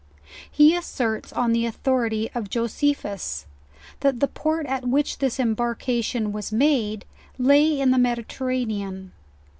He asserts on the authority of Josephus, that the port at which this embarkation was made, lay in the Mediterranean.